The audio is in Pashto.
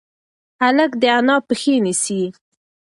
هلک د انا پښې نیسي.